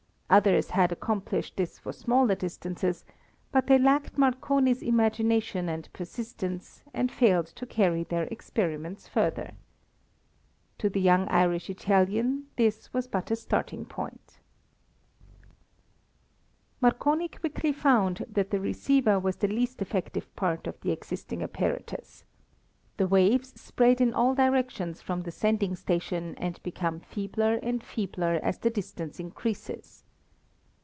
Others had accomplished this for similar distances, but they lacked Marconi's imagination and persistence, and failed to carry their experiments further. To the young Irish Italian this was but a starting point. [Illustration: GUGLIELMO MARCONI Photographed in the uniform of an officer in the Italian army] Marconi quickly found that the receiver was the least effective part of the existing apparatus. The waves spread in all directions from the sending station and become feebler and feebler as the distance increases.